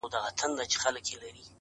یوه ورځ یې زوی له ځان سره سلا سو؛